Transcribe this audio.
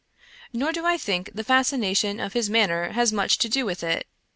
Nor do I think the fascination of his manner has much to do with it.